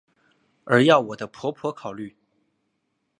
而要我的婆婆考虑！